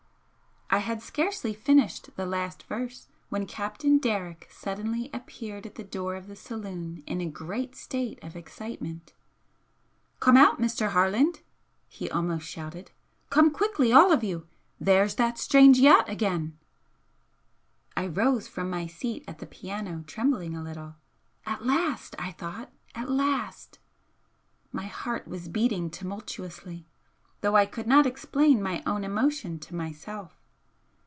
I had scarcely finished the last verse when Captain Derrick suddenly appeared at the door of the saloon in a great state of excitement. "Come out, Mr. Harland!" he almost shouted "Come quickly, all of you! There's that strange yacht again!" I rose from my seat at the piano trembling a little at last! I thought at last! My heart was beating tumultuously, though I could not explain my own emotion to myself.